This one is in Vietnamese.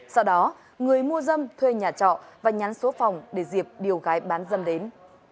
sau đó người mua dâm thuê nhà trọ và nhắn số phòng để dịp điều gái bán dâm đến